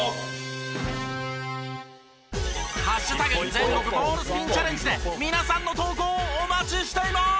全国ボールスピンチャレンジで皆さんの投稿お待ちしています！